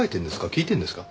聞いてるんですか？